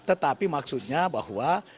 tetapi maksudnya bahwa